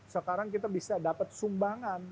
sekarang kita bisa dapat sumbangan